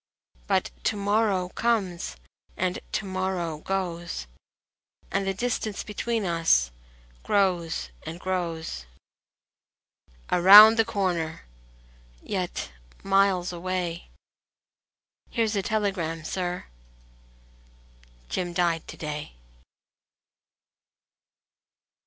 But to morrow comes and to morrow goes, And the distance between us grows and grows. Around the corner! yet miles away. ... "Here s a telegram, sir. ..." "Jim died to day."